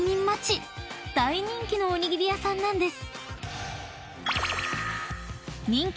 ［大人気のおにぎり屋さんなんです］